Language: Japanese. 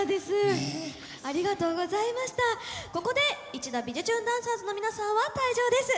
ここで一度「びじゅチューン！」ダンサーズの皆さんは退場です。